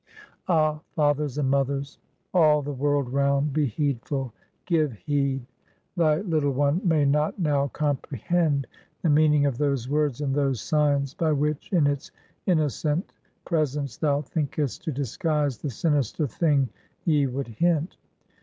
Ah, fathers and mothers! all the world round, be heedful, give heed! Thy little one may not now comprehend the meaning of those words and those signs, by which, in its innocent presence, thou thinkest to disguise the sinister thing ye would hint.